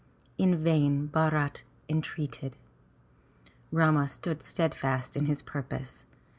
'* In vain Bharat entreated. Rama stood steadfast in his purpose.